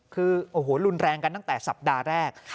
คือโอ้โหรุนแรงกันตั้งแต่สัปดาห์แรก